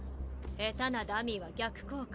下手なダミーは逆効果。